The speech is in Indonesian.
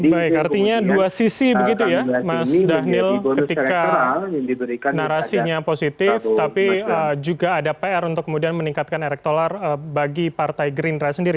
baik artinya dua sisi begitu ya mas dhanil ketika narasinya positif tapi juga ada pr untuk kemudian meningkatkan elektoral bagi partai gerindra sendiri